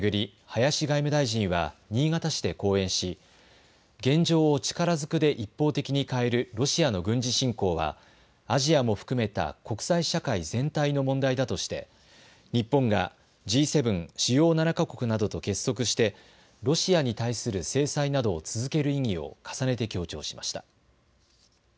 林外務大臣は新潟市で講演し現状を力ずくで一方的に変えるロシアの軍事侵攻はアジアも含めた国際社会全体の問題だとして日本がＧ７・主要７か国などと結束してロシアに対する制裁などを続ける意義を重ねて強調しました。